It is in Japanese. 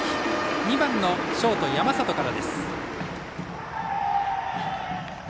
２番のショート山里から。